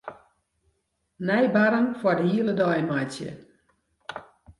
Nij barren foar de hiele dei meitsje.